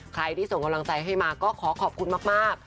ใครที่ส่งกำลังใจให้มาก็ขอขอบคุณมาก